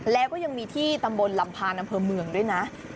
แล้วก็ยังมีที่ตำบลลำพานอำเภอเมืองด้วยนะ